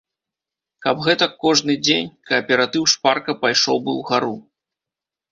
Каб гэтак кожны дзень, кааператыў шпарка пайшоў бы ўгару.